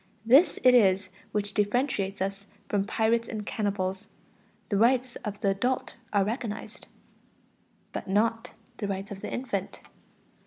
This it is which differentiates us from pirates and cannibals. The rights of the adult are recognized. But not the rights of the infant.